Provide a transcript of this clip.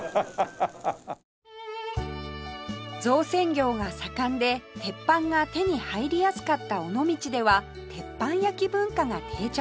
造船業が盛んで鉄板が手に入りやすかった尾道では鉄板焼き文化が定着